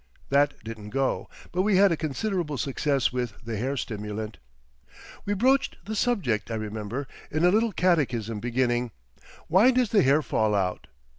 That didn't go, but we had a considerable success with the Hair Stimulant. We broached the subject, I remember, in a little catechism beginning: "Why does the hair fall out?